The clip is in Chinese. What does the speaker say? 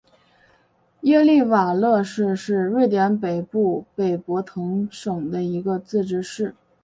耶利瓦勒市是瑞典北部北博滕省的一个自治市。